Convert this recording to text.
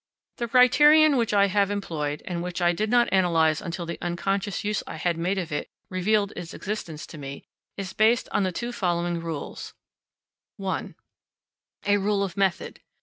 The criterion which I have employed, and which I did not analyse until the unconscious use I had made of it revealed its existence to me, is based on the two following rules: 1. _A Rule of Method.